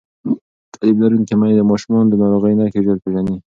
تعلیم لرونکې میندې د ماشومانو د ناروغۍ نښې ژر پېژني